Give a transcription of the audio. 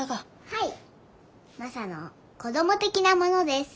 はいマサの子ども的なものです。